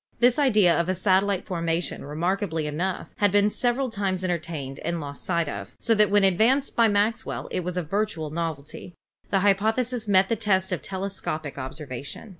This idea of a satellite formation, remarkably enough, had been several times entertained and lost sight of, so that when advanced by Maxwell it was a virtual novelty. The hy pothesis met the test of telescopic observation.